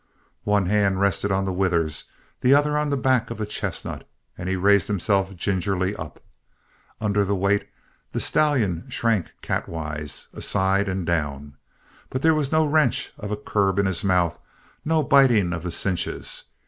One hand rested on the withers, the other on the back of the chestnut, and he raised himself gingerly up. Under the weight the stallion shrank catwise, aside and down. But there was no wrench of a curb in his mouth, no biting of the cinches.